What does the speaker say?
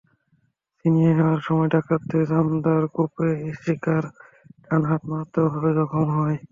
ছিনিয়ে নেওয়ার সময় ডাকাতদের রামদার কোপে ঈশিকার ডান হাত মারাত্মকভাবে জখম হয়।